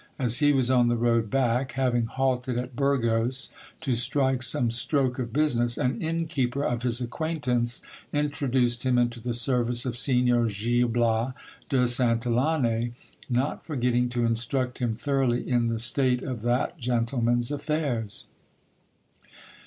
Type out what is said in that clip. As he was on the road back, having halted at Burgos to strike some stroke of busi ness, an innkeeper of his acquaintance introduced him into the service of Signor Gil Bias de Santillane, not forgetting to instruct him thoroughly in the state of that gentleman's affairs.